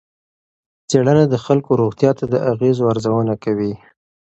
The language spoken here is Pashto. څېړنه د خلکو روغتیا ته د اغېزو ارزونه کوي.